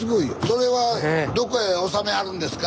それはどこへおさめはるんですか？